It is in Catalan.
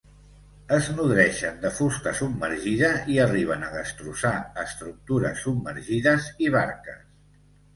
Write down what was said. Es nodreixen de fusta submergida i arriben a destrossar estructures submergides i barques.